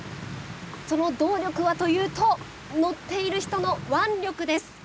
その動力はというと乗っている人の腕力です。